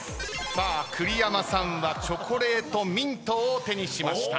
さあ栗山さんはチョコレートミントを手にしました。